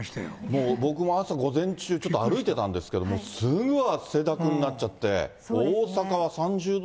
もう、僕も朝、午前中、ちょっと歩いてたんですけど、すぐ汗だくになっちゃって、そうです。